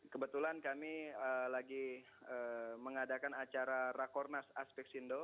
kebetulan kami lagi mengadakan acara rakornas aspek sindo